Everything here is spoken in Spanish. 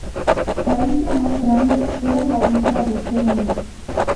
La isla más grande era la isla de Cerna.